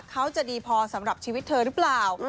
เขาจะดีพอสำหรับชีวิตเธอหรือเปล่า